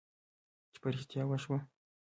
چې په رښتیا وشوه.